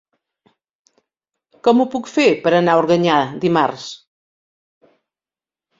Com ho puc fer per anar a Organyà dimarts?